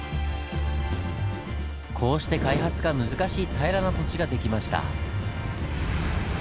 こうして開発が難しい平らな土地が出来ました。